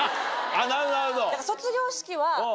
なるほどなるほど。